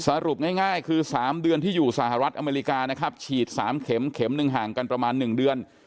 สรุปง่ายคือ๓เดือนที่อยู่สหรัฐอเมริกานะครับฉีด๓เข็มเข็มหนึ่งห่างกันประมาณ๑เดือน